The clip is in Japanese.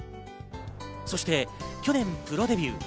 そして去年プロデビュー。